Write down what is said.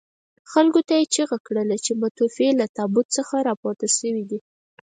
خلکو ته یې چيغه کړه چې متوفي له تابوت څخه راپورته شوي دي.